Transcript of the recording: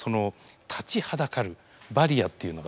立ちはだかるバリアっていうのがですね